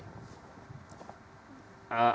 apa yang harus kita lakukan terhadap orang orang ini